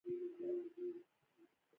ویکټې واخله او بیا موسکی شه